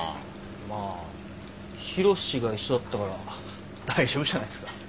まあヒロシが一緒だったから大丈夫じゃないですか。